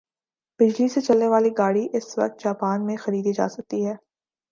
بجلی سے چلنے والی گاڑی اس وقت جاپان میں خریدی جاسکتی ھے